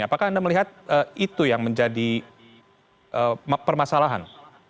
apakah anda melihat itu yang menjadi permasalahan